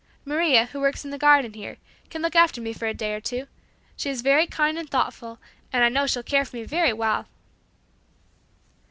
Maria, who works in the garden here, can look after me for a day or two. She is very kind and thoughtful, and I know she'll care for me very well."